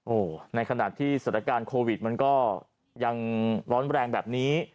โอ้โหในขณะที่สถานการณ์โควิดมันก็ยังร้อนแรงแบบนี้